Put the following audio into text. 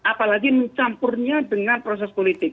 apalagi mencampurnya dengan proses politik